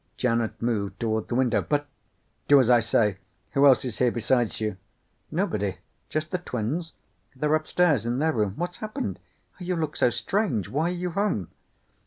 Janet moved toward the window. "But " "Do as I say. Who else is here besides you?" "Nobody. Just the twins. They're upstairs in their room. What's happened? You look so strange. Why are you home?"